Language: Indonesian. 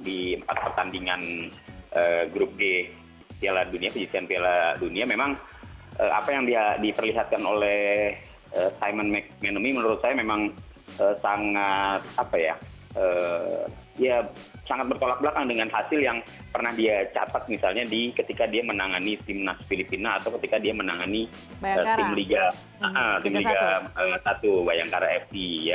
di empat pertandingan grup d piala dunia kejadian piala dunia memang apa yang diperlihatkan oleh simon mcmanamy menurut saya memang sangat berkolak belakang dengan hasil yang pernah dia capat misalnya ketika dia menangani timnas filipina atau ketika dia menangani tim liga satu bayangkara fc